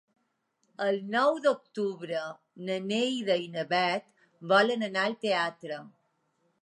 El nou d'octubre na Neida i na Bet volen anar al teatre.